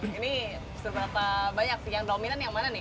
ini seberapa banyak sih yang dominan yang mana nih